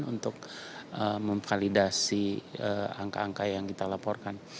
untuk memvalidasi angka angka yang diperlukan